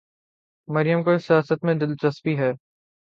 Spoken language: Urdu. مریم کو سیاست میں دلچسپی ہے۔